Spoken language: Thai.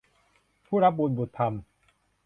ผู้รับบุตรบุญธรรม